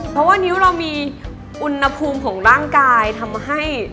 เพราะว่านิ้วเรามีอุณหภูมิของร่างกายทำให้